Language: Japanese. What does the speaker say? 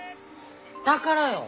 だからよ。